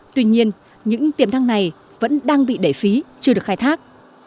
tuy nhiên những tiềm năng này vẫn đang bị đẩy phí chưa được khai thác